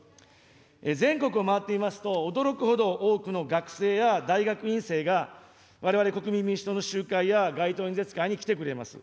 全国を回っていますと、驚くほど多くの学生や大学院生が、われわれ国民民主党の集会や街頭演説会に来てくれます。